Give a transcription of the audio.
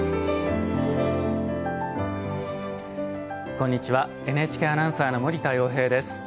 こんにちはＮＨＫアナウンサーの森田洋平です。